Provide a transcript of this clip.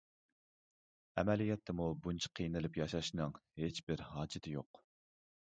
ئەمەلىيەتتىمۇ بۇنچە قىينىلىپ ياشاشنىڭ ھېچ بىر ھاجىتى يوق.